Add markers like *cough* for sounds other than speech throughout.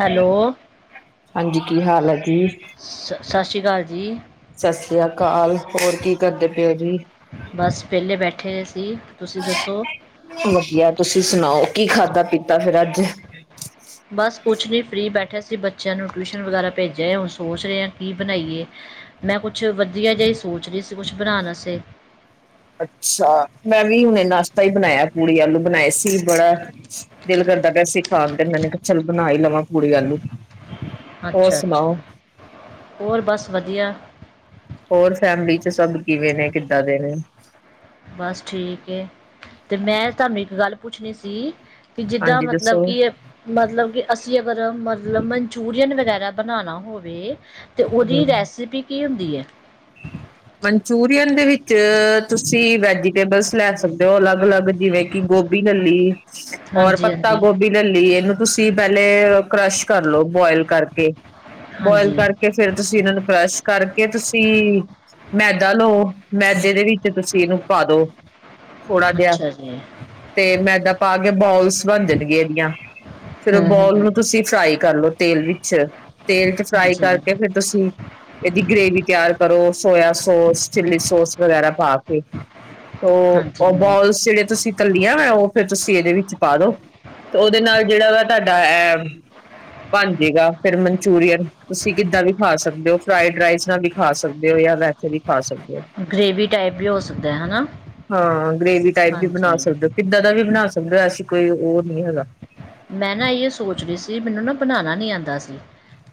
Hello ਹਾਂਜੀ ਕੀ ਹਾਲ ਹੈ ਜੀ ਸ ਸਤਿ ਸ਼੍ਰੀ ਅਕਾਲ ਜੀ ਸਤਿ ਸ੍ਰੀ ਅਕਾਲ ਹੋਰ ਕੀ ਕਰਦੇ ਪਏ ਜੀ ਬਸ ਪਹਿਲੇ ਬੈਠੇ ਸੀ ਤੁਸੀਂ ਦੱਸੋ ਵਧੀਆ ਤੁਸੀਂ ਸੁਣਾਓ ਕੀ ਖਾਧਾ ਪੀਤਾ ਫੇਰ ਅੱਜ ਬਸ ਕੁਛ ਨਹੀਂ ਫ੍ਰਰੀ ਬੈਠਿਆ ਸੀ ਬੱਚਿਆਂ ਨੂੰ ਟਿਊਸ਼ਨ ਵਗੈਰਾ ਭੇਜਿਆ ਹੈ ਹੁਣ ਸੋਚ ਰਹੇ ਹਾਂ ਕੀ ਬਣਾਈਏ ਮੈਂ ਕੁਛ ਵਧੀਆ ਜਿਹਾ ਹੀ ਸੋਚ ਰਹੀ ਸੀ ਕੁਛ ਬਣਾਣ ਵਾਸਤੇ ਅੱਛਾ ਮੈਂ ਵੀ ਹੁਣੇ ਨਾਸ਼ਤਾ ਹੀ ਬਣਾਇਆ ਪੂੜੀ ਆਲੂ ਬਣਾਏ ਸੀ ਬੜਾ ਦਿਲ ਕਰਦਾ ਪਿਆ ਸੀ ਖਾਣ ਤੇ ਨੇ ਚੱਲ ਬਣਾ ਹੀ ਲਵਾਂ ਪੂੜੀ ਆਲੂ ਹੋਰ ਅੱਛਾ ਸੁਣਾਓ ਅੱਛਾ ਹੋਰ ਬਸ ਵਧੀਆ ਹੋਰ ਫੈਮਲੀ ਚ ਸਭ ਕਿਵੇਂ ਨੇ ਕਿੱਦਾਂ ਦੇ ਨੇ ਬਸ ਠੀਕ ਐ ਤੇ ਮੈਂ ਤੁਹਾਨੂੰ ਇੱਕ ਗੱਲ ਪੁੱਛਣੀ ਸੀ ਕਿ ਜਿੱਦਾਂ ਹਾਂਜੀ ਮਤਲਬ ਦੱਸੋ ਕੀ ਮਤਲਬ ਕਿ ਅਸੀਂ ਅਗਰ ਮਤਲਬ ਮਨਚੂਰੀਅਨ ਵਗੈਰਾ ਬਣਾਣਾ ਹੋਵੇ ਤੇ ਉਹਦੀ ਹਮ ਰੈਸਿਪੀ ਕੀ ਹੁੰ ਦੀ ਹੈ ਮਨਚੂਰੀਅਨ ਦੇ ਵਿੱਚ ਤੁਸੀਂ ਵੈਜੀਟੇਬਲਸ ਲੈ ਸਕਦੇ ਹੋ ਅਲੱਗ ਅਲੱਗ ਜਿਵੇਂ ਕਿ ਗੋਭੀ ਲੈ ਲੀ ਹੋਰ ਹਾਂਜੀ ਪੱਤਾ ਹਾਂਜੀ ਗੋਭੀ ਲੈ ਲੀ ਇਹਨੂੰ ਤੁਸੀਂ ਤੁਸੀਂ ਪਹਿਲੇ ਕਰਸ਼ ਕਰਲੋ ਬੋਆਇਲ ਕਰਕੇ ਬੋਇਲ ਹਾਂਜੀ ਕਰਕੇ ਫੇਰ ਤੁਸੀਂ ਇਹਨਾਂ ਨੂੰ ਕਰਸ਼ ਕਰਕੇ ਤੁਸੀਂ ਮੈਦਾ ਲਓ ਮੈਦੇ ਦੇ ਵਿੱਚ ਤੁਸੀਂ ਇਹਨੂੰ ਪਾ ਦੋ ਥੋੜਾ ਜਿਹਾ ਅੱਛਾ ਜੀ ਹੂੰ ਤੇ ਮੈਂਦਾਂ ਪਾ ਬੋਲਸ ਬਣ ਜਾਣਗੇ ਇਹਦੀਆਂ ਫੇਰ ਉਹ ਹੂੰ ਬੋਲ ਹਾਂਜੀ ਨੂੰ ਤੁਸੀਂ ਫਰਾਈ ਕਰਲੋ ਤੇਲ ਵਿੱਚ ਤੇਲ ਚ ਫਰਾਈ ਹਾਂਜੀ ਕਰਕੇ ਫੇਰ ਤੁਸੀਂ ਇਹਦੀ ਗ੍ਰਰੇਵੀ ਤਿਆਰ ਕਰੋ ਸੋਇਆ ਸੋਸ ਚਿੱਲੀ ਸੋਸ ਵਗੈਰਾ ਪਾ ਕੇ ਉਹ ਹਾਂਜੀ ਬੋਲਸ ਜਿਹੜੇ ਤੁਸੀਂ ਤਲੇ ਹੁੰਦੀ ਉਹ ਫਿਰ ਤੁਸੀਂ ਇਹਦੇ ਵਿੱਚ ਪਾ ਦੋ ਤੇ ਉਹਦੇ ਨਾਲ ਜਿਹੜਾ ਵਾ ਤੁਹਾਡਾ ਇਹ ਬਣ ਜਏਗਾ ਫੇਰ ਮਨਚੂਰੀਅਨ ਤੁਸੀਂ ਕਿੱਦਾਂ ਵੀ ਖਾ ਸਕਦੇ ਹੋ ਫਰਾਈਡ ਰਾਈਸ ਨਾਲ ਵੀ ਖਾ ਸਕਦੇ ਦੇਖੋ ਯਾਰ ਵੈਸੇ ਵੀ ਖਾ ਸਕਦੇ ਗ੍ਰੇਵੀ ਟਾਈਪ ਵੀ ਹੋ ਸਕਦਾ ਹੈ ਨਾ ਹਾਂ ਗ੍ਰੇਵੀ ਟਾਈਪ ਵੀ ਬਣਾ ਹਾਂਜੀ ਸਕਦੇ ਹੋ ਕਿੱਦਾਂ ਦਾ ਵੀ ਬਣਾ ਸਕ ਸਮਝਿਆ ਸੀ ਕੋਈ ਉਹ ਨਹੀਂੀ ਹੈਗਾ ਮੈਂ ਨਾ ਇਹ ਸੋਚ ਰਹੀ ਸੀ ਮੈਨੂੰ ਨਾ ਬਣਾਉਣਾ ਨੀ ਆਉਂਦਾ ਸੀ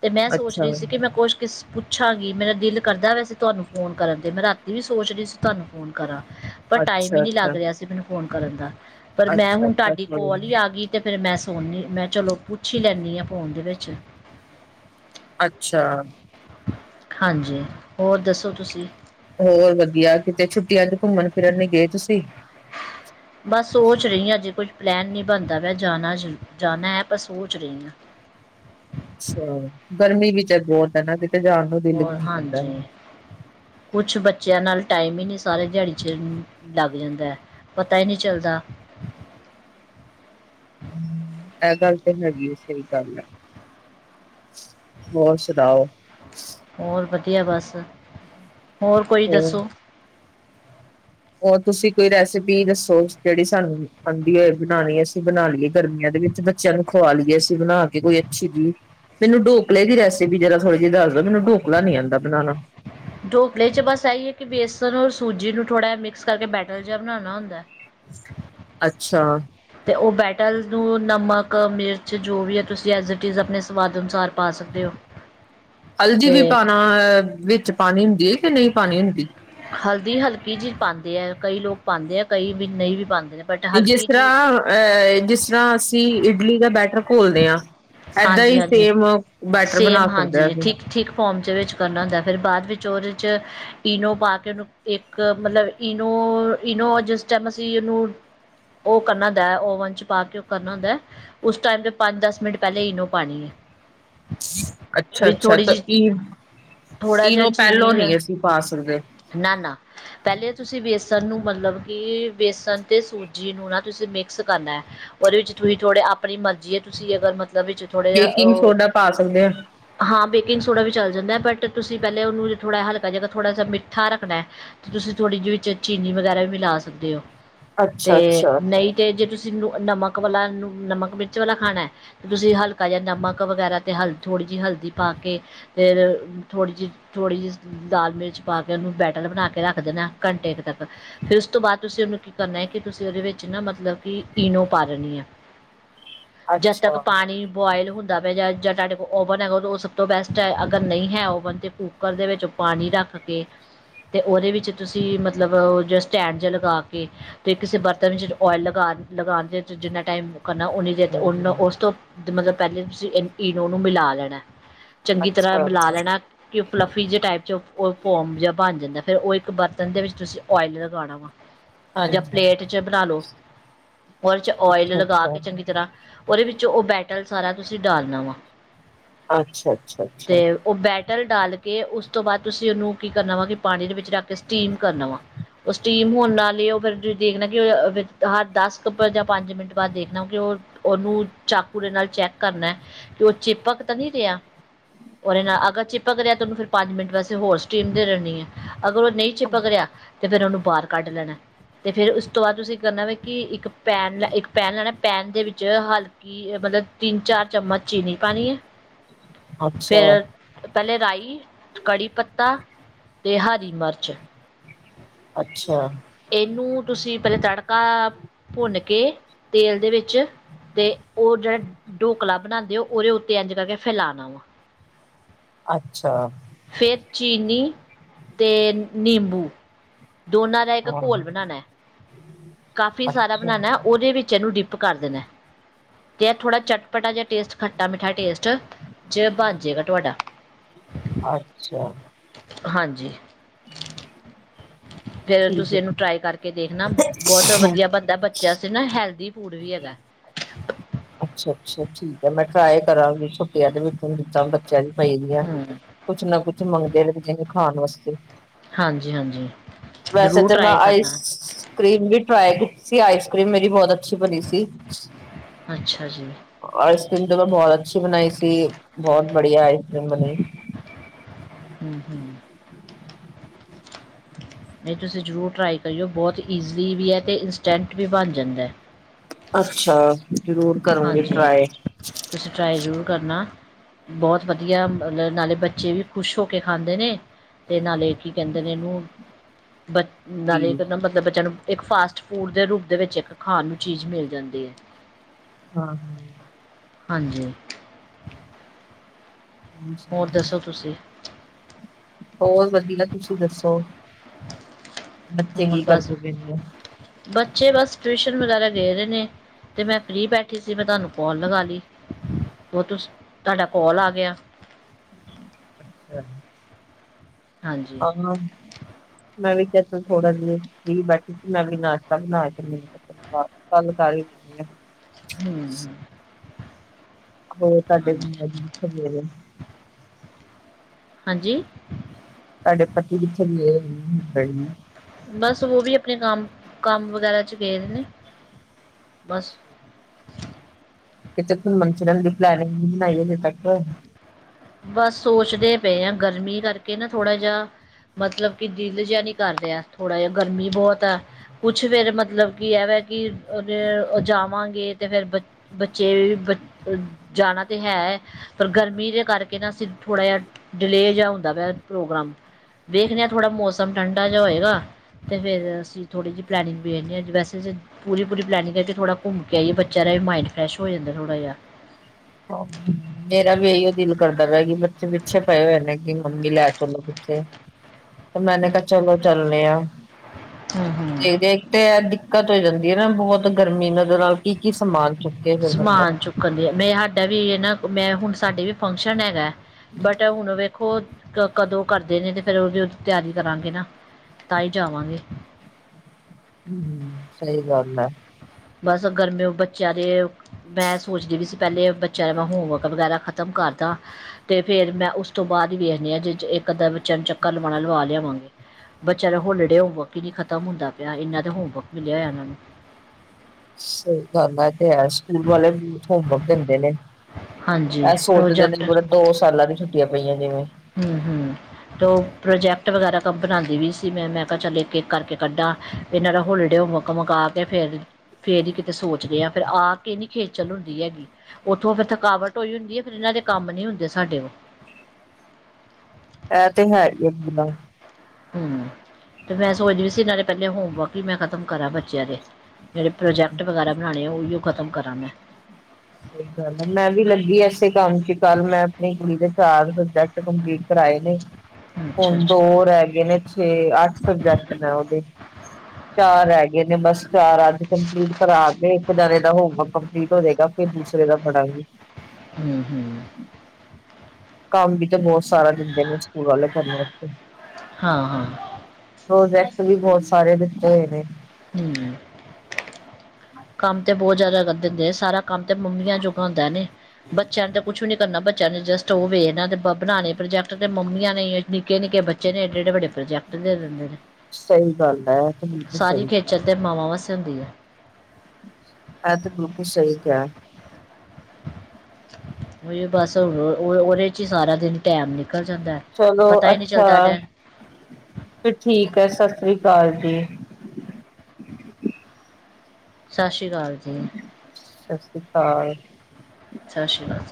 ਤੇ ਮੈਂ ਸੋਚ ਅੱਛਾ, ਰਹੀ ਸੀ ਕਿ ਮੈਂ ਕੁਛ ਕਿਸ ਪੁੱਛ ਪੁੱਛਾਂ ਮੇਰਾ ਦਿਲ ਕਰਦਾ ਵੈਸੇ ਤੁਹਾਨੂੰ ਫੋਨ ਕਰਨ 'ਤੇ ਮੈਂ ਰਾਤੀ ਵੀ ਸੋਚ ਰਹੀ ਸੀ ਤੁਹਾਨੂੰ ਫੋਨ ਕਰਾਂ ਪਰ ਟਾਈਮ ਹੀ ਨੀ ਅੱਛਾ-ਅੱਛਾ, ਲੱਗ ਰਿਹਾ ਸੀ ਮੈਨੂੰ ਫੋਨ ਕਰਨ ਦਾ ਪਰ ਮੈਂ ਹੁਣ ਅੱਛਾ-ਅੱਛਾ ਤੁਹਾਡੀ ਕੋਈ ਕੋਲ ਹੀ ਨੀ। ਆ ਗਈ ਤੇ ਫੇਿਰ ਮੈਂ ਮੈਂ ਚਲੋ ਪੁੱਛੀ ਲੈਨੀ ਆਾਂ ਫੋਨ ਦੇ ਵਿੱਚ ਅੱਛਾ ਹਾਂਜੀ ਹੋਰ ਦੱਸੋ ਤੁਸੀਂ ਹੋਰ ਵਧੀਆ ਕਿਤੇ ਛੁੱਟੀਆਂ ਚ ਘੁੰਮਣ ਫਿਰਨ ਨਹੀਂ ਗਏ ਤੁਸੀਂ ਬਸ ਉਹ ਚ ਰਹੀ ਅਜੇ ਕੁੱਝ ਪਲੈਨ ਨਹੀਂ ਬਣਦਾ ਵੈ ਜਾਣਾ ਜ ਜਾਣਾ ਹੈ ਪਰ ਸੋਚ ਰਈ ਹਾਂ ਅੱਛਾ ਗਰਮੀ ਵਿੱਚ ਬਹੁਤ ਹੈ ਦੇ ਹੋਰ ਹਾਂਜੀ *unintelligible* ਕੁਛ ਬੱਚਿਆਂ ਨਾਲ ਟਾਈਮ ਹੀ ਨਹੀਂ ਸਾਰੇ ਦਿਹਾੜੀ 'ਚ ਲੱਗ ਜਾਂਦਾ ਪਤਾ ਹੀ ਨਹੀਂ ਚੱਲਦਾ ਇਹ ਗੱਲ ਤੇ ਹੈਗੀ ਆ ਸਹੀ ਗੱਲ ਹੈ ਹੋਰ ਸੁਣਾਓ ਹੋਰ ਵਧੀਆ ਬਸ ਹੋਰ ਕੋਈ ਦੱਸੋ ਤੁਸੀਂ ਕੋਈ ਰੈਸਿਪੀ ਦੱਸੋ ਜਿਹੜੀ ਸਾਨੂੰ ਆਉਂਦੀ ਹੈ ਬਣਾਉਣੀ ਅਸੀਂ ਬਣਾ ਲਈਏ ਗਰਮੀਆਂ ਦੇ ਵਿੱਚ ਬੱਚਿਆਂ ਨੂੰ ਖਵਾ ਲਈਏ ਅਸੀਂ ਬਣਾ ਕੇ ਕੋਈ ਅੱਛੀ ਜੀ ਮੈਨੂੰ ਢੋਕਲੇ ਦੀ ਰੈਸਪੀ ਜਿਹੜਾ ਥੋੜ੍ਹੇ ਜਿਹੀ ਦੱਸ ਦ ਮੈਨੂੰ ਢੋਕਲਾ ਨੀ ਆਉਂਦਾ ਬਣਾਉਣਾ ਢੋਕਲੇ ਚ ਬਸ ਇਹੀ ਹੈ ਕਿ ਬੇਸਨ ਔਰ ਸੂਜੀ ਨੂੰ ਥੋੜ੍ਹਾ ਜਿਹਾ ਮਿਕਸ ਕਰਕੇ ਬੈਟਰ ਜਿਹਾ ਬਣਾਉਣਾ ਹੁੰਦਾ ਹੈ ਅੱਛਾ ਅਤੇ ਉਹ ਬੈਟਰ ਨੂੰ ਨਮਕ ਮਿਰਚ ਜੋ ਵੀ ਹੈ ਤੁਸੀਂ ਐਜ਼ ਇਟ ਇਜ਼ ਆਪਣੇ ਸਵਾਦ ਅਨੁਸਾਰ ਪਾ ਸਕਦੇ ਹੋ ਹਲਦੀ ਵੀ ਅਤੇ ਪਾਣਾ ਵਿੱਚ ਪਾਉਣੀ ਹੁੰਦੀ ਨਹੀਂ ਪਾਣੀ ਹੁੰਦੀ ਹਲਦੀ ਹਲਕੀ ਜਿ ਪਾਉਂਦੇ ਹੈ ਕਈ ਲੋਕ ਪਾਉਂਦੇ ਹੈ ਕਈ ਵੀ ਨਹੀਂ ਵੀ ਪਾਉਂਦੇ ਨੇ ਬਟ ਤੇ ਜਿਸ ਹਲਕੀ ਜਿਹੀ ਤਰ੍ਹਾਂ ਅਹ ਜਿਸ ਤਰ੍ਹਾਂ ਅਸੀਂ ਇਡਲੀ ਦਾ ਬੈਟਰ ਘੋਲਦੇ ਹਾਂ ਏਦਾਂ ਹਾਂਜੀ ਹੀ ਹਾਂਜੀ ਸੇਮ ਬੈਟਰ ਬਣਾ ਸੇਮ ਸਕਦੇ ਹਾਂ ਹਾਂਜੀ ਅਸੀਂ ਠੀਕ ਠੀਕ ਫੋਮ ਚ ਵਿੱਚ ਕਰਨਾ ਹੁੰਦਾ ਫਿਰ ਬਾਅਦ ਵਿੱਚ ਉਹਦੇ ਇਨੋ ਪਾ ਕੇ ਉਹਨੂੰ ਇੱਕ ਮਤਲਬ ਇਨੋਨੋ ਜਿਸ ਟਾਈਮ ਅਸੀਂ ਉਹਨੂੰ ਉਹ ਕਰਨਾੁੰਦਾ ਓਵਨ ਚ ਪਾ ਕੇ ਉਹ ਕਰਨਾ ਹੁੰਦਾ ਉਸ ਟਾਈਮ ਤੇ ਪੰਜ ਦਸ ਮਿੰਟ ਪਹਿਲੇ ਇਨੂੰ ਪਾਣੀ ਹੈ ਅੱਛਾ ਵੀ ਅੱਛਾ ਥੋੜ੍ਹੀ ਤਾਂ ਜਿਹੀ ਈ ਥੋੜ੍ਹਾ ਜਿਹਾ ਈਨੋ ਚੀਨੀ ਪਹਿਲੋਂ ਵਗ ਨਹੀਂ ਅਸੀਂ ਪਾ ਸਕਦੇ ਨਾ ਨਾ ਪਹਿਲੇ ਤੁਸੀਂ ਬੇਸਣ ਨੂੰ ਮਤਲਬ ਕਿ ਬੇਸਣ ਅਤੇ ਸੂਜੀ ਨੂੰ ਨਾ ਤੁਸੀਂ ਮਿਕਸ ਕਰਨਾ ਉਹਦੇ ਵਿੱਚ ਤੁਸੀਂ ਥੋੜ੍ਹੇ ਆਪਣੀ ਮਰਜ਼ੀ ਹੈ ਤੁਸੀਂ ਅਗਰ ਮਤਲਬ ਵਿੱਚ ਥੋੜਾ ਜਿਹਾ ਬੇਕਿੰਗ ਉਹ ਸੋਡਾ ਪਾ ਸਕਦੇ ਹਾਂ। ਹਾਂ ਬੇਕਿੰਗ ਸੋਡਾ ਵੀ ਚੱਲ ਜਾਂਦਾ ਬਟ ਤੇ ਤੁਸੀਂ ਪਹਿਲੇ ਉਹਨੂੰ ਥੋੜਾ ਹਲਕਾ ਜਿਹਾ ਥੋੜਾ ਜਿਹਾ ਮਿੱਠਾ ਰੱਖਣਾ ਤੇ ਤੁਸੀਂ ਥੋੜੀ ਜਿਹੀ ਵਿੱਚ ਚੀਨੀ ਵਗੈਰਾ ਵੀ ਮਿਲਾ ਸਕਦੇ ਹੋ। ਤੇ ਅੱਛਾ ਅੱਛਾ ਨਹੀਂ ਤੇ ਜੇ ਤੁਸੀਂਨੂੰ ਨਮਕ ਵਾਲਾ ਨਮਕ ਮਿਰਚ ਵਾਲਾ ਖਾਣਾ ਹੈ। ਤੁਸੀਂ ਹਲਕਾ ਜਿਹਾ ਨਮਕ ਵਗੈਰਾ ਤੇ ਹਲ ਥੋੜ੍ਹੀ ਜਿਹੀ ਹਲਦੀ ਪਾ ਕੇ ਫ਼ਿਰ ਥੋੜ੍ਹੀ ਜਿਹੀ ਥੋੜ੍ਹੀ ਜਿਹੀ ਦਾਲ ਮਿਰਚ ਪਾ ਕੇ ਉਹਨੂੰ ਬੈਟਲ ਬਣਾ ਕੇ ਰੱਖ ਦੇਣਾ ਘੰਟੇ ਤੱਕ ਫੇਿਰ ਉਸ ਤੋਂ ਬਾਅਦ ਤੁਸੀਂ ਉਹਨੂੰ ਕੀ ਕਰਨਾ ਹੈ ਕਿ ਤੁਸੀਂ ਉਹਦੇ ਵਿੱਚ ਨਾ ਮਤਲਬ ਕਿ ਇਨੋ ਪਾ ਲੈਣੀ ਏ। ਅੱਛਾ! ਨੀ ਬੋਆਇਲ ਹੁੰਦਾ ਪਿਆ ਜਾਂ ਜਾਂ ਤੁਹਾਡੇ ਕੋਲ ਓਵਨ ਹੈਗਾ ਉਹ ਸਭ ਤੋਂ ਬੈਸਟ ਹੈ ਅਗਰ ਨਹੀਂ ਹੈ ਓਵਨ ਤਾਂ ਕੁੱਕਰ ਦੇ ਵਿੱਚ ਪਾਣੀ ਰੱਖ ਕੇ ਅਤੇ ਉਹਦੇ ਵਿੱਚ ਤੁਸੀਂ ਮਤਲਬ ਜਿਹੜਾ ਸਟੈਂਡ ਜਿਹਾ ਲਗਾ ਕੇ ਅਤੇ ਕਿਸੇ ਬਰਤਨ ਵਿੱਚ ਓਇਲ ਲਗਾ। ਲਗਾਣ ਦੇ ਅਤੇ ਜਿੰਨਾ ਟਾਈਮ ਕਰਨਾ ਉਹਨੀ ਦੇ ਉਹਨੂੰ ਉਸ ਤੋਂ। ਮਤਲਬ ਪਹਿਲੇ ਤੁਸੀਂ ਈ ਈਨੋ ਨੂੰ ਮਿਲਾ ਲੈਣਾ। ਚੰਗੀ ਤਰ੍ਹਾਂ ਅੱਛਾ। ਮਿਲਾ ਲੈਣਾ ਕਿ ਫਲਫੀ ਜੇ ਟਾਇਪ ਚ ਉਹ ਫਾਰਮ ਜਿਹਾ ਬਣ ਜਾਂਦਾ ਫਿਰ ਉਹ ਇੱਕ ਬਰਤਨ ਦੇ ਵਿੱਚ ਤੁਸੀਂ ਓਇਲ ਲਗਾਣਾ ਵਾ। ਜਾਂ ਹਾਂਜੀ ਪਲੇਟ ਚ ਬਣਾ ਲਓ ਉਹਦੇ ਚ ਓਇਲ ਅੱਛਾ ਲਗਾ ਅੱਛਾ ਕੇ ਚੰਗੀ ਤਰ੍ਹਾਂ ਉਹਦੇ ਵਿੱਚ ਉਹ। ਪਟਲ ਸਾਰਾ ਤੁਸੀਂ ਡਾਲਨਾ ਵਾ ਅੱਛਾ ਅੱਛਾ ਅੱਛਾ! ਪਟਲ ਡਾਲ ਕੇ ਉਸ ਤੋਂ ਬਾਅਦ ਤੁਸੀਂ ਉਹਨੂੰ ਕੀ ਕਰਨਾ ਵਾ ਕਿ ਪਾਣੀ ਦੇ ਵਿੱਚ ਰੱਖ ਕੇ ਸਟੀਮ ਕਰਨਾ ਵਾ ਉਹ ਸਟੀਮ ਹੋਣ ਨਾਲੇ ਉਹ ਫਿਰ ਜਂ ਦੇਖਣਾ ਕਿ ਹਰ ਦਸ ਕੁ ਜਾਂ ਪੰਜ ਮਿੰਟ ਬਾਅਦ ਦੇਖਣਾ ਕਿ ਉਹ ਉਹਨੂੰ। ਚਾਕੂ ਦੇ ਨਾਲ ਚੈੱਕ ਕਰਨਾ ਤੇ ਉਹ ਚਿਪਕ ਤਾਂ ਨਹੀਂ ਰਿਹਾ ਉਹਦੇ ਨਾਲ ਅਗਰ ਚਿਪਕ ਰਿਹਾ ਤਾਂ ਉਹਨੂੰ ਫਿਰ। ਪੰਜ ਮਿੰਟ ਵੈਸੇ ਹੋਰ ਸਟੀਮ ਦੇ ਰਹਿੰ ਨਹੀਂ ਹੈ। ਅਗਰ ਉਹ ਨਹੀਂ ਚਿਪਕ ਰਿਹਾ ਤੇ ਫੇਰ ਉਹਨੂੰ। ਬਾਹਰ ਕੱਢ ਲੈਣਾ ਤੇ ਫੇਰ ਉਸ ਤੋਂ ਬਾਅਦ ਤੁਸੀਂ ਕੀ ਕਰਨਾ ਵੀ ਕਿ ਇੱਕ ਪੈਨ ਲੈ ਇੱਕ ਪੈਨ ਲੈਣਾ ਪੈਨ ਦੇ ਵਿੱਚ ਹਲਕਾ ਕਿ ਮਤਲਬ ਤਿੰਨ-ਚਾਰ ਚਮਚ ਚੀਨੀ ਪਾਣੀ ਏ। ਅੱਛਾ! ਪਹਿਲੇ ਰਾਈ, ਕੜ੍ਹੀ ਪੱਤਾ ਅਤੇ ਹਰੀ ਮਿਰਚ। ਅੱਛਾ ਇਹਨੂੰ ਤੁਸੀਂ ਪਹਿਲੇ ਤੜਕ ਕਾ ਭੁੰਨ ਕੇ ਤੇਲ ਦੇ ਵਿੱਚ ਤੇ ਉਹ ਜਿਹੜਾ ਢੋਕਲਾ ਬਣਾਉਂਦੇ ਹੋ ਉਹਦੇ ਉੱਤੇ ਇੰਝ ਕਰਕੇ ਫੈਲਾਉਣਾ ਵਾ। ਅੱਛਾ! ਫਿਰ ਚੀਨੀ ਤੇ ਨਿੰਬੂ। ਦੋਨਾਂ ਦਾ ਇੱਕ ਹਾਂ ਘੋਲ ਬਣਾਣਾ ਕਾਫ਼ੀ ਸਾਰਾ ਅੱਛਾ ਬਣਾਉਣਾ ਉਹਦੇ ਵਿੱਚ ਇਹਨੂੰ ਡਿਪ ਕਰ ਦੇਣਾ ਤੇ ਇਹ ਥੋੜਾ ਚਟਪਟਾ ਜਿਹਾ ਟੇਸਟ ਖੱਟਾ ਮਿੱਠਾ ਟੇਸਟ ਜੇ ਬਣ ਜਾਏਗਾ ਤੁਹਾਡਾ ਅੱਛਾ ਹਾਂਜੀ। ਜੀ ਫੇਰ ਠੀਕ ਤੁਸੀਂ ਹੈ। ਇਹਨੂੰ ਟਰਾਈ ਕਰਕੇ ਦੇਖਣਾ, ਬਹੁਤ ਵਧੀਆ ਬਣਦਾ, ਬੱਚ ਵਾਸਤੇ ਨਾ ਹੈਲਦੀ ਫੂਡ ਵੀ ਹੈਗਾ। ਅੱਛਾ-ਅੱਛਾ, ਠੀਕ ਆ, ਮੈਂ ਟਰਾਈ ਕਰਾਂਗੀ *inaudible* ਪਾਈਦੀਆਂ ਹੂੰ ਕੁੱਛ ਨਾ ਕੁਛ ਮੰਗਦੇ ਨੇ ਜਿਵੇਂ *inaudible* ਹਾਂਜੀ, ਹਾਂਜੀ- ਹਾਂਜੀ। ਵੈਸੇ ਜ਼ਰੂਰ ਤੇ ਮੈਂ ਟਰਾਈ ਆਈਸ ਕਰਨਾ ਕਰ੍ਰੀਮ ਵੀ ਟਰਾਏ ਕੀਤੀ। ਸੀ ਆਈਸਕੀਮ ਮੇਰੀ ਬਹੁਤ ਅੱਛੀ ਬਣੀ ਸੀ, ਆਇਸ ਅੱਛਾ ਜੀ ਆਈਸ-ਕਰ੍ਰੀਮ ਤੇ ਮੈਂ ਬਹੁਤ ਅੱਛੀ ਬਣਾਈ ਸੀ, ਬਹੁਤ ਬੜੀਆ ਆਈਸ-ਕਰ੍ਰੀਮ ਬਣੀ। ਹੂੰ-ਹੂੰ, ਨਹੀਂ ਤੁਸੀਂ ਜ਼ਰੂਰ ਟਰਾਈ ਕਰਿਓ, ਬਹੁਤ ਈਜ਼ਲੀ ਵੀ ਹੈ, ਤੇ ਇੰਸਟੈਂਟ ਵੀ ਬਣ ਜਾਂਦਾ ਹੈ। ਅੱਛਾ। ਜ਼ਰੂਰ ਕਰਾਂਗੇ ਹਾਂਜੀ ਟਰਾਏ। ਤੁਸੀਂ ਟਰਾਈ ਜ਼ਰੂਰ ਕਰਨਾ, ਬਹੁਤ ਵਧੀਆ ਮਤਲਬ ਨਾਲੇ ਬੱਚੇ ਵੀ ਖੁਸ਼ ਹੋ ਕੇ ਖਾਂਦੇ ਨੇ, ਤੇ ਨਾਲੇ ਕੀ ਕਹਿੰਦੇ ਨੇ ਇਹਨੂੰ ਬੱਚ ਨਾਲ ਜੀ ਇਹ ਕਰਦਾ ਮਤਲਬ ਬੱਚਿਆਂ ਨੂੰ ਇੱਕ ਫਾਸਟ ਫੂਡ ਦੇ ਰੂਪ ਦੇ ਵਿੱਚ ਇੱਕ ਖਾਣ ਨੂੰ ਚੀਜ਼ ਮਿਲ ਜਾਂਦੀ ਹੈ। ਹਾਂ। ਹਾਂਜੀ। ਹੋਰ ਦੱਸੋ ਤੁਸੀਂ ਹੋਰ ਵਧੀਆ, ਤੁਸੀਂ ਦੱਸੋ? ਬੱਚੇ ਹੋਰ ਕੀ ਬਸ, ਕਰਦੇ ਪਏ ਨੇ ਬੱਚੇ ਬਸ ਟਊ ਵਗੈਰਾ ਗਏ ਰਹੇ ਨੇ, ਤੇ ਮੈਂ ਫ੍ਰਰੀ ਬੈਠੀ ਸੀ ਮੈਂ ਤੁਹਾਨੂੰ ਕੋਲ ਲਗਾ ਲਈ, ਉਹ ਤੁ ਤੁਹਾਡਾ ਕੋਲ ਆ ਗਿਆ। ਹ *inaudible* ਹਾਂਜੀ ਹਾਂ। ਮੈਂ ਵੀ ਕਿਹਾ ਥੋੜਾ ਚਲ ਜਿਹਾ ਫ੍ਰੀ ਬੈਠੀ ਸੀ, ਮੈਂ ਵੀ ਨਾਸ਼ਤਾ ਬਣਾ ਕੇ ਗੱਲ ਕਰ ਹੀ ਲੈਣੀ ਆ। ਹੂੰ, ਹੋਰ ਤੁਹਾਡੇ ਹਾਂਜੀ ਮੇਰੇ *inaudible* ਹਾਂਜੀ। ਸਾਡੇ ਪਤੀ ਕਿੱਥੇ ਵੀ ਇਹ *inaudible* ਬਸ ਉਹ ਵੀ ਆਪਣੇ ਕੰਮ ਕੰਮ ਵਗੈਰਾ ਗਏ ਦੇ ਨੇ, ਬਸ। ਕਿਥੇ ਮੰਨਚਰਨ ਦੀ ਪਲੈਨਿੰਗ ਨੀ ਬਣਾਈ ਹਜੇ ਤੱਕ। ਬਸ ਸੋਚਦੇ ਪਏ ਆ, ਗਰਮੀ ਕਰਕੇ ਨਾ ਥੋੜਾ ਜਿਹਾ ਮਤਲਬ ਕਿ ਦਿਲ ਜਿਹਾ ਨਹੀਂ ਕਰ ਰਿਹਾ, ਥੋੜ੍ਹਾ ਜਿਹਾ ਗਰਮੀ ਬਹੁਤ ਆ, ਕੁਛ ਫਿਰ ਮਤਲਬ ਕਿ ਇਹ ਵੀ ਕਿ ਜਾਵਾਂਗੇ ਤੇ ਫੇਰ ਬ ਬੱਚੇ ਵੀ ਜਾਣਾ ਤੇ ਹੈ, ਪਰ ਗਰਮੀ ਦੇ ਕਰਕੇ ਕਰਕੇ ਨ ਅਸੀਂ ਥੋੜ੍ਹਾ ਜਿਹਾ, ਡਿਲੇਅ ਜਿਹਾ ਹੁੰਦਾ ਪਿਆ ਪ੍ਰੋਗਰਾਮ, ਵੇਖਨੇ ਹਾਂ ਥੋੜ੍ਹਾ ਮੌਸਮ ਠੰਡਾ ਜਿਹਾ ਹੋਏਗਾ ਫਿਰ ਅਸੀਂ ਥੋੜ੍ਹੀ ਜਿਹੀ ਪਲੈਨਿੰਗ ਵੇਖਨੇ ਹਾਂ, ਵੈਸੇ ਪੂਰੀ-ਪੂਰੀ ਪਲੈਨਿੰਗ ਹੈ ਕਿ ਥੋੜ੍ਹਾ ਘੁੰਮ ਕੇ ਆਈਏ ਬੱਚਿਆਂ ਦਾ ਵੀ ਮਾਈੰਡ ਫਰੈਸ਼ ਹੋ ਜਾਂਦਾ, ਥੋੜ੍ਹਾ ਜਿਹਾ। ਮੇਰਾ ਵੀ ਇਹੀਓ ਦਿਲ ਕਰਦਾ ਪਿਆ ਵੀ ਮੈਂ ਪਿੱਛੇ ਪਏ ਹੋਏ ਨੇ ਕਿ ਮੰਮੀ ਲੈ ਚਲੋ ਕਿੱਥੇ, ਮੈਂ ਕਿਹਾ ਚਲੋ ਚੱਲਦੇ ਆ ਹਮ ਹਮ ਦੇਖ ਤੇ ਦਿੱਕਤ ਹੋ ਜਾਂਦੀ ਹੈ ਨਾ ਬਹੁਤ ਗਰਮੀ ਨਾਲ ਕੀ ਕੀ ਸਮਾਨ ਚੁੱਕੇ ਫਿਰ ਬੰਦਾ ਸਮਾਨ ਚੁੱਕਣ ਦੀ ਆ ਮੈਂ ਸਾਡਾ ਵੀ ਇਹ ਨਾ ਮੈਂ ਹੁਣ ਸਾਡੇ ਵੀ ਫੰਕਸ਼ਨ ਹੈਗਾ ਬਟ ਹੁਣ ਵੇਖੋ ਕਦੋਂ ਕਰਦੇ ਨੇ ਤੇ ਫੇਰ ਉਹਦੀ ਤਿਆਰੀ ਕਰਾਂਗੇ ਨਾ ਤਾਂ ਹੀ ਜਾਵਾਂਗੇ। ਹੂੰ ਸਹੀ ਗੱਲ ਐ। ਬਸ ਗਰਮੀ ਬੱਚਿਆਂ ਦੇ ਮੈਂ ਸੋਚਦੀ ਪਈ ਸੀ ਪਹਿਲੇ ਬੱਚਿਆਂ ਦਾ ਮੈਂ ਹੋਮਵਰਕ ਵਗੈਰਾ ਖਤਮ ਕਰਦਾ ਤੇ ਫਿਰ ਮੈਂ ਉਸ ਤੋਂ ਬਾਅਦ ਹੀ ਵੇਖਦੀ ਹਾਂ ਜੇ ਇੱਕ ਅੱਧਾਂ ਬੱਚਿਆਂ ਨੂੰ ਚੱਕਰ ਲਵਾਣਾ ਲਵਾ ਲਿਆਵਾਂਗੇ ਬੱਚਿਆਂ ਦਾ ਹੋਲੀ ਡੇ ਹੋਮਵਰਕ ਹੀ ਨਹੀਂ ਖਤਮ ਹੁੰਦਾ ਪਿਆ ਇਨਾਂ ਦਾ ਹੋਮਵਰਕ ਮਿਲਿਆ ਹੋਇਆ ਇਹਨਾਂ ਨੂੰ ਸਹੀ ਗੱਲ ਹੈ ਤੇ ਹੈ ਸਕੂਲ ਵਾਲੇ ਬਹੁਤ ਹੋਮਵਰਕ ਦਿੰਦੇ ਨੇ ਹਾਂਜੀ ਇਹ ਸੋਚਦੇ ਨੇ ਪ੍ਰੋਜੈਕਟ ਮਤਲਬ ਦੋ ਸਾਲਾਂ ਦੀ ਛੁੱਟ ਆਂ ਪਈਆਂ ਜਿਵੇਂ ਹੂੰ ਹੂੰ ਉਹ ਪ੍ਰੋਜੈਕਟ ਵਗੈਰਾ ਬਣਾਉਦੀ ਵੀ ਸੀ ਮੈਂ ਮੈਂ ਕਿਹਾ ਚੱਲ ਇੱਕ ਇੱਕ ਕਰਕੇ ਕੱਢਾਂ ਇਹਨਾਂ ਦਾ ਹੋੌਲੀ ਡੇ ਹੋਮਵਰਕ ਫਿਰ ਫਿਰ ਹੀ ਕਿਤੇ ਸੋਚ ਗਿਆ ਆ ਫਿਰ ਆ ਕੇ ਨਹੀਂ ਖੇਚਲ ਹੁੰਦੀ ਹੈਗੀ ਉੱਥੋਂ ਫਿਰ ਥਕਾਵਟ ਹੋਈ ਹੁੰਦੀ ਹੈ ਫਿਰ ਇਹਨਾਂ ਦੇ ਕੰਮ ਨਹੀਂ ਹੁੰਦੇ ਸਾਡੇ ਕੋਲੋਂ ਇਹ ਤੇ ਹੈ ਹੀ ਆ! ਹੂੰ ਤੇ ਮੈਂ ਸੋਚਦੀ ਵੀ ਸੀ ਇਹਨਾਂ ਨੇ ਪਹਿਲੇ ਹੋਮਵਰਕ ਹੀ ਮੈਂ ਖ਼ਤਮ ਕਰਾਂ ਬੱਚਿਆਂ ਦੇ ਜਿਹੜੇ ਪ੍ਰੋਜੈਕਟ ਵਗੈਰਾ ਬਣਾਣੇ ਉਹ ਖਤਮ ਕਰ ਮੈਂ ਸਹੀ ਗੱਲ ਹੈ ਮੈਂ ਵੀ ਲੱਗੀ ਇਸੇ ਕੰਮ ਚ, ਕੱਲ ਮੈਂ ਆਪਣੀ ਕੁੜੀ ਦੇ ਚਾਰ ਸਬਜੈਕਟ ਕੰਪਲੀਟ ਕਰਾਏ ਨੇ ਹੁਣ ਅੱਛਾ-ਅੱਛਾ ਦੋ ਰਹਿ ਗਏ ਨੇ ਛੇ ਅੱਠ ਸਬਜੈਕਟ ਨੇ ਉਹਦੇ ਚਾਰ ਰਹਿ ਗਏ ਨੇ ਬਸ ਚਾਰ ਅੱਜ ਕੰਪਲੀਟ ਕਰਾ ਕੇ ਇੱਕ ਜਣੇ ਦਾ ਹੋ ਜਾਣਾ ਫਿਰ ਕੰਪਲੀਟ ਹੋਵੇਗਾ ਫਿਰ ਦੂਸਰੇ ਦਾ ਫੜਾਂਗੀ ਹੂੰ-ਹੂੰ ਕੰਮ ਵੀ ਤਾਂ ਬਹੁਤ ਸਾਰਾ ਦਿੰਦੇ ਨੇ ਸਕੂਲ ਵਾਲੇ ਕਰਨ ਵਾਸਤੇ ਹਾਂ ਹਾਂ ਪ੍ਰੋਜੈਕਟ ਵੀ ਬਹੁਤ ਸਾਰੇ ਦਿੱਤੇ ਹੋਏ ਨੇ ਹੂੰ ਕੰਮ ਤੇ ਬਹੁਤ ਜ਼ਿਆਦਾ ਦਿੰਦੇ ਆ ਸਾਰਾ ਕੰਮ ਤੇ ਮੰਮੀਆਂ ਜੋਗਾ ਹੁੰਦਾ ਨੇ ਬੱਚਿਆਂ ਨੂੰ ਤਾਂ ਕੁੱਛ ਵੀ ਨਹੀਂ ਕਰਨਾ ਬੱਚਾ ਨੂੰ ਐਡਜਸਟ ਹੋਵੇ ਨਾ ਬਣਾਣੇ ਪ੍ਰੋਜੈਕਟ ਅਤੇ ਮੰਮੀਆਂ ਨੇ ਨਿੱਕੇ ਨਿੱਕੇ ਬੱਚੇ ਨੇ ਐਡੇ ਐਡੇ ਵੱਡੇ ਪ੍ਰਜੈਕਟ ਦੇ ਦਿੰਦੇ ਨੇ ਸਹੀ ਗੱਲ ਹੈ ਬਿਲਕੁਲ ਸਾਰੀ ਸਹੀ ਹੈ ਖੇਚਲ ਤੇ *unintelligible* ਹੈ ਹੈ ਤੇ ਬਿਲਕੁਲ ਸਹੀ ਕਿਹਾ ਬਸ ਉਹਦੇ ਚ, ਹੀ ਸਾਰਾ ਦਿਨ ਨਿਕਲ ਜਾਂਦਾ ਹੈ ਚਲੋ ਪਤਾ ਹੀ ਨਹੀਂ ਅੱਛਾ ਚੱਲਦਾ ਟੈ ਫਿਰ ਠੀਕ ਹੈ ਸਤਿ ਸ੍ਰੀ ਅਕਾਲ ਸ਼੍ਰੀ ਅਕਾਲ ਜੀ ਸਤਿ ਸ੍ਰੀ ਅਕਾਲ ਜੀ ਸਤਿ ਸ੍ਰੀ ਅਕਾਲ ਸਤਿ ਸ਼੍ਰੀ ਅਕਾਲ